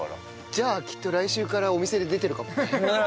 じゃあきっと来週からお店で出てるかもね。